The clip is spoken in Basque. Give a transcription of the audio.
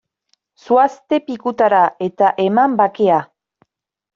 Zoazte pikutara eta eman bakea!